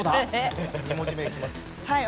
はい。